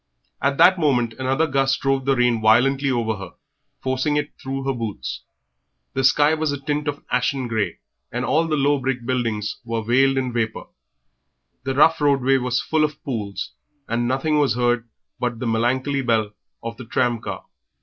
At that moment another gust drove the rain violently over her, forcing it through her boots. The sky was a tint of ashen grey, and all the low brick buildings were veiled in vapour; the rough roadway was full of pools, and nothing was heard but the melancholy bell of the tram car.